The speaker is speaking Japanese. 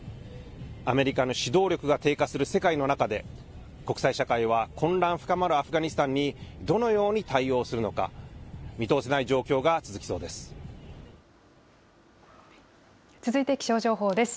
アメリカの指導力が低下する世界の中で、国際社会は、混乱深まるアフガニスタンにどのように対応するのか、見通せない状況が続きそうです。